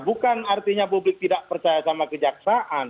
bukan artinya publik tidak percaya sama kejaksaan